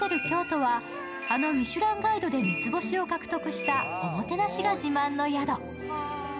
京都はあの「ミシュランガイド」で三つ星を獲得したおもてなしが自慢の宿。